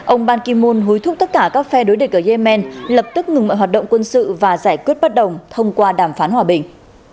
ông ban kim môn hối thúc tất cả các phe đối địch ở yemen lập tức ngừng mọi hoạt động quân sự và giải quyết bất đồng thông qua đàm phán hòa bình